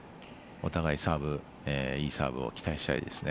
お互いサーブ、いいサーブを期待したいですね。